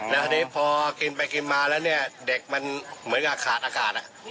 แล้วทีนี้พอกินไปกินมาแล้วเนี่ยเด็กมันเหมือนกับขาดอากาศ